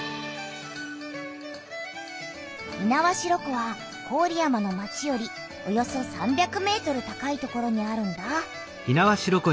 猪苗代湖は郡山の町よりおよそ３００ｍ高い所にあるんだ。